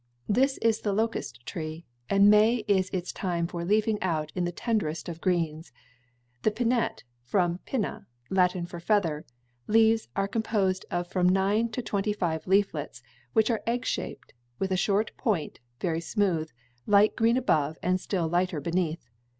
This is the locust tree, and May is its time for leafing out in the tenderest of greens. The pinnate from pinna, Latin for feather' leaves are composed of from nine to twenty five leaflets, which are egg shaped, with a short point, very smooth, light green above and still lighter beneath.